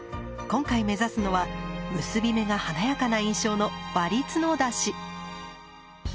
今回目指すのは結び目が華やかな印象の「割り角出し」。